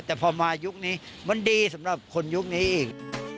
แต่พอมายุคนี้มันดีสำหรับคนยุคนี้อีก